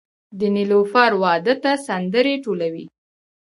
د نیلوفر واده ته سندرې ټولوي